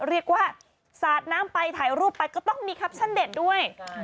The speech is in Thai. เรียกว่าสาดน้ำไปถ่ายรูปไปก็ต้องมีแคปชั่นเด็ดด้วย